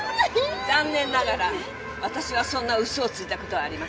残念ながら私はそんな嘘をついた事はありません。